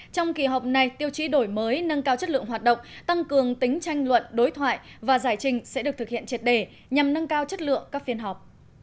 trong kỳ họp này tiêu chí đổi mới nâng cao chất lượng hoạt động tăng cường tính tranh luận đối thoại và giải trình sẽ được thực hiện triệt đề nhằm nâng cao chất lượng các phiên họp